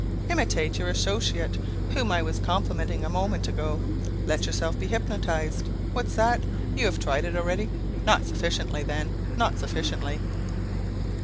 Imitate your associate whom I was complimenting a moment ago. Let yourself be hypnotized. What's that? You have tried it already? Not sufficiently, then, not sufficiently!"